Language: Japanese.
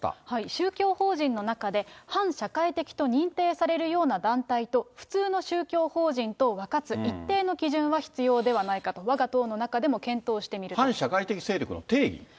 宗教法人の中で反社会的と認定されるような団体と普通の宗教法人とを分かつ一定の基準は必要ではないかと、わが党の中でも検反社会的勢力の定義。